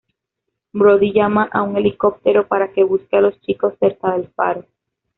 Brody llama a un helicóptero para que busque a los chicos cerca del faro.